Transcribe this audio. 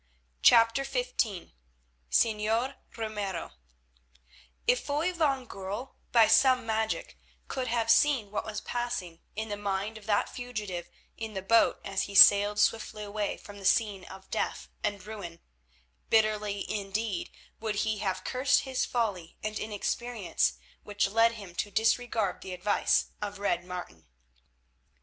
CHAPTER XV SEÑOR RAMIRO If Foy van Goorl, by some magic, could have seen what was passing in the mind of that fugitive in the boat as he sailed swiftly away from the scene of death and ruin, bitterly indeed would he have cursed his folly and inexperience which led him to disregard the advice of Red Martin.